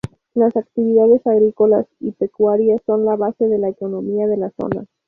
Las actividades agrícolas y pecuarias son la base de la economía de la zona.